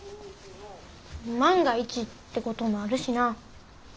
万が一ってこともあるしな。